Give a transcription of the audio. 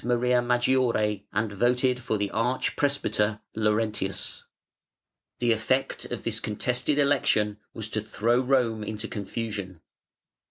Maria Maggiore and voted for the arch presbyter Laurentius. The effect of this contested election was to throw Rome into confusion.